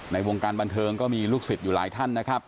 ในวงการบันเทิงก็มีลูกศิษย์อยู่หลายท่านนะครับ